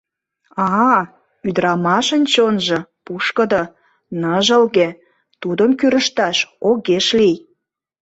— А-а, ӱдрамашын чонжо пушкыдо, ныжылге, тудым кӱрышташ огеш лий!